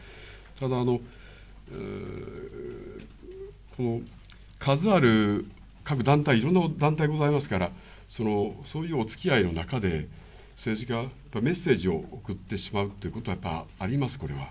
ただ、数ある各団体、いろんな団体ございますから、そういうおつきあいの中で、政治家がメッセージを送ってしまうということは、やっぱりあります、これは。